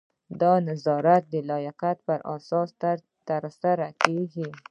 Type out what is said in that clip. دا نظارت د لیاقت په اساس ترسره کیږي.